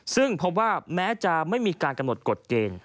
ซึ่งพบว่าแม้จะไม่มีการกำหนดกฎเกณฑ์